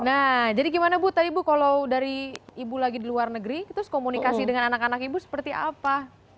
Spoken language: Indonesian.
nah jadi gimana bu tadi bu kalau dari ibu lagi di luar negeri terus komunikasi dengan anak anak ibu seperti apa